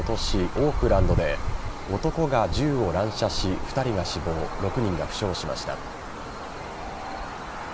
オークランドで男が銃を乱射し２人が死亡、６人が負傷しました。